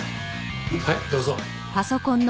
はいどうぞ。